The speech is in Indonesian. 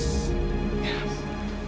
mengartikan semangat kerja yang keras